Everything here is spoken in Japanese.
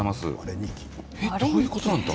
どういうことなんだ？